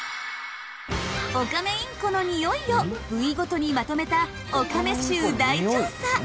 オカメインコの匂いを部位ごとにまとめた「オカメ臭大調査！！」。